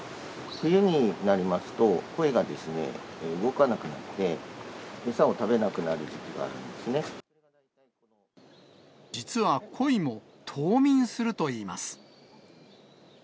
冬になりますと、コイがですね、動かなくなって、餌を食べなくな実はコイも、冬眠するといいます。